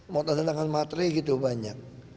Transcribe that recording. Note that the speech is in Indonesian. mau tanda dengan matri gitu banyak